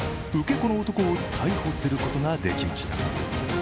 子の男を逮捕することができました。